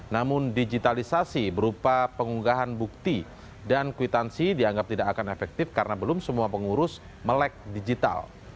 namun digitalisasi berupa pengunggahan bukti dan kwitansi dianggap tidak akan efektif karena belum semua pengurus melek digital